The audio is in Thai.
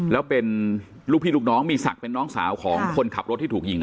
แล้วเป็นลูกพี่ลูกน้องมีศักดิ์เป็นน้องสาวของคนขับรถที่ถูกยิง